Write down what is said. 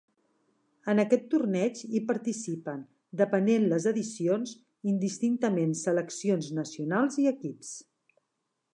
En aquest torneig hi participen, depenent les edicions, indistintament seleccions nacionals i equips.